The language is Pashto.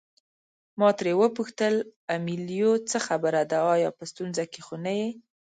ما ترې وپوښتل امیلیو څه خبره ده آیا په ستونزه کې خو نه یې.